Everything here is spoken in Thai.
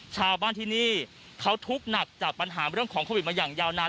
ชาวบ้านที่นี่เขาทุกข์หนักจากปัญหาเรื่องของโควิดมาอย่างยาวนาน